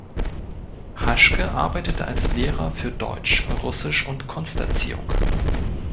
Haschke arbeitete als Lehrer für Deutsch, Russisch und Kunsterziehung.